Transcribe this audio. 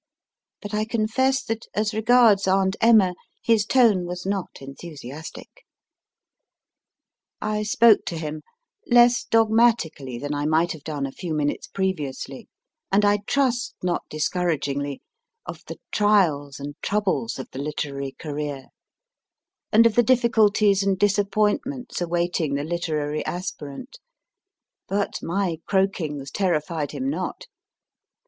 But I confess that as regards Aunt Emma his tone o was not enthusiastic. I spoke to him less dogmatically than I might have done a few minutes previously, and I trust not discouragingly of the trials and troubles of the literary career, and of the difficulties and disappointments awaiting the literary aspirant, but my croakings terri fied him not.